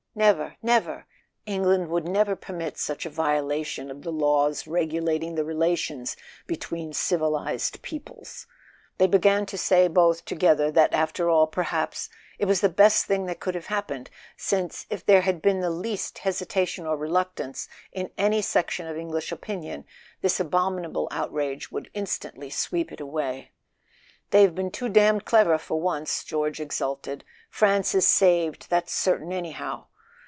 Never—never! England would never permit such a violation of the laws regulating the relations between civilized peoples. They began to say both together that after all perhaps it was the best thing that could have happened, since, if there had been the least hesi¬ tation or reluctance in any section of English opinion, [ 90 ] A SON AT THE FRONT this abominable outrage would instantly sweep it away. "They've been too damned clever for once !" George exulted. "France is saved—that's certain anyhow!"